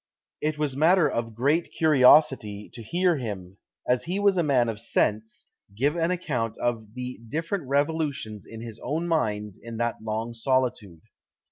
"It was matter of great curiosity to hear him, as he was a man of sense, give an account of the different revolutions in his own mind in that long solitude."